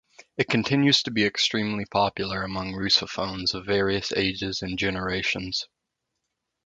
It continues to be extremely popular among Russophones of various ages and generations.